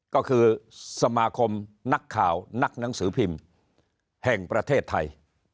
ก็คือสมาคมนักข่าวนักหนังสือพิมพ์แห่งประเทศไทย